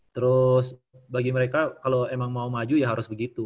terus bagi mereka kalau emang mau maju ya harus begitu